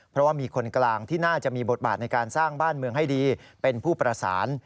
เพราะว่ามีคนกลางที่น่าจะมีบทบาทในการสร้างบ้านเมืองให้ดีเป็นผู้ประสาน